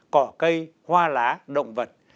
cỏ cây hoa lá động vật